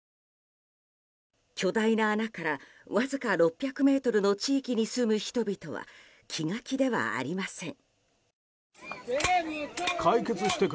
巨大な穴からわずか６００ｍの地域に住む人々は気が気ではありません。